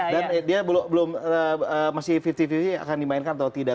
dan dia masih lima puluh lima puluh akan dimainkan atau tidak